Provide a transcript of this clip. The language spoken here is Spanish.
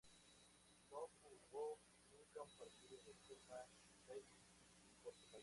No jugó nunca un partido de Copa Davis por su país.